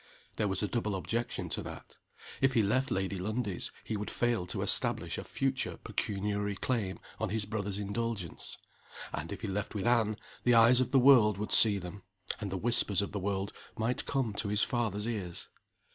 There was a double objection to that. If he left Lady Lundie's, he would fail to establish a future pecuniary claim on his brother's indulgence. And if he left with Anne, the eyes of the world would see them, and the whispers of the world might come to his father's ears.